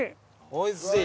「おいしい」。